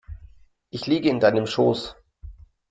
Ich liege in deinem Schoß.